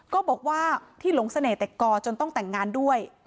ก็บอกว่าที่หลงเสน่หกอจนต้องแต่งงานด้วย